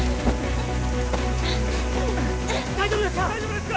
大丈夫ですか？